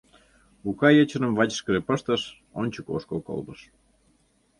Лука ечыжым вачышкыже пыштыш, ончыко ошкыл колтыш.